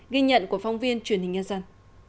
ghi nhận của phong viên truyền hình nhân dân